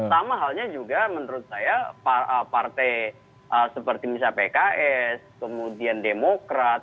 sama halnya juga menurut saya partai seperti misalnya pks kemudian demokrat